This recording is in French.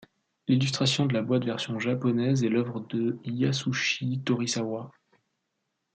L'illustration de la boîte version japonaise est l'œuvre de Yasushi Torisawa.